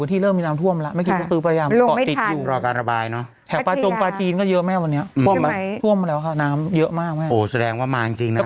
แถวปลาจงปลาจีนก็เยอะแม่วันนี้ช่วงน่ะน้ำเยอะมากมากน่ะ